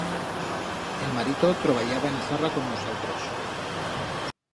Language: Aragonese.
El marito troballaba en a Sarra con nusaltros.